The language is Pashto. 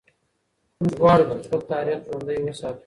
موږ غواړو چې خپل تاریخ ژوندی وساتو.